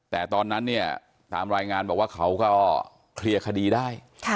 แต่ตอนนั้นเนี่ยตามรายงานบอกว่าเขาก็เคลียร์คดีได้